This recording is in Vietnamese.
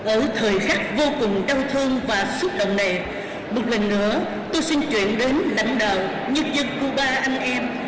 ở thời khắc vô cùng đau thương và xúc động này một lần nữa tôi xin chuyển đến lãnh đạo nhân dân cuba anh em